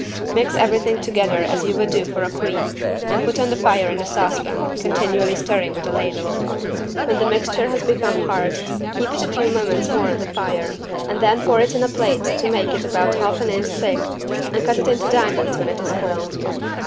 Mix everything together as you would do for a cream and put on the fire in a saucepan, continually stirring with a ladle. When the mixture has become hard keep it a few moments more on the fire and then pour it in a plate to make it about half an inch thick and cut it into diamonds when it is cold.